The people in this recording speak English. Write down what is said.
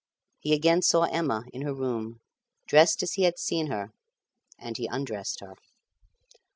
He again saw Emma in her room, dressed as he had seen her, and he undressed her.